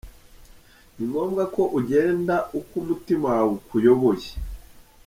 Ni ngombwa ko ugenda uko umutima wawe ukuyoboye.